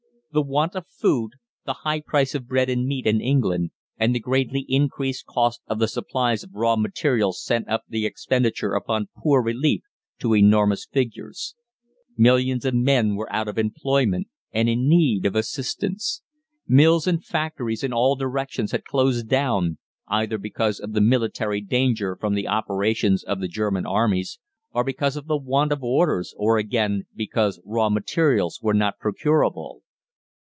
The want of food, the high price of bread and meat in England, and the greatly increased cost of the supplies of raw material sent up the expenditure upon poor relief to enormous figures. Millions of men were out of employment, and in need of assistance. Mills and factories in all directions had closed down, either because of the military danger from the operations of the German armies, or because of the want of orders, or, again, because raw materials were not procurable.